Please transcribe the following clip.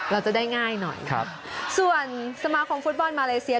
เราจะได้ง่ายหน่อยครับส่วนสมาคมฟุตบอลมาเลเซีย